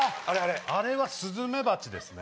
あれはスズメバチですね。